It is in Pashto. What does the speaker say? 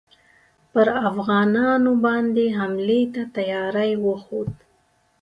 پر افغانانو باندي حملې ته تیاری وښود.